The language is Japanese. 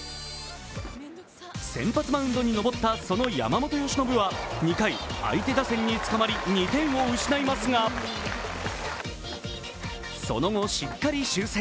先発マウンドに登ったその山本由伸は２回、相手打線に捕まり２点を失いますがその後、しっかり修正。